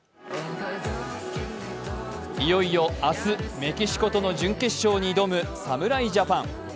いよいよ明日、メキシコとの準決勝に挑む侍ジャパン。